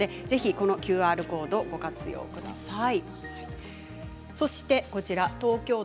このＱＲコードをご活用ください。